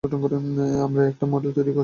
আমরা একটা model set করছি!